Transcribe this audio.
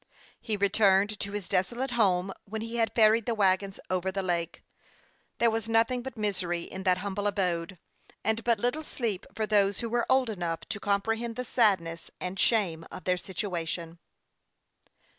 He returned to his desolate home when he had ferried the wagons over the lake. There was nothing but misery in that humble abode, and but little sleep for those who were old enough to com prehend the sadness and shame of their situation.